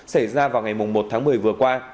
xảy ra vào ngày một tháng một mươi vừa qua